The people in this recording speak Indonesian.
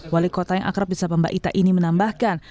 wali kota yang akrab bisa pembahita ini menambahkan